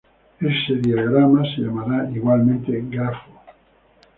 Ese diagrama se llamará igualmente grafo.